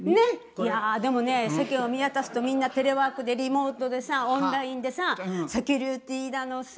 いやでもね世間を見渡すとみんなテレワークでリモートでオンラインでさセキュリティーだのさ